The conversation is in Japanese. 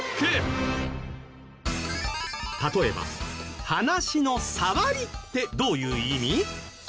例えば「話のさわり」ってどういう意味？